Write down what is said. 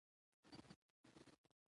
انګور د افغانستان د پوهنې په نصاب کې شامل دي.